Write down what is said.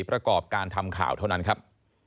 ประกอบการทำข่าวเท่านั้นครับ